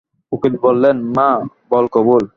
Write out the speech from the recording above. উকিল বললেন, মা, বল কবুল।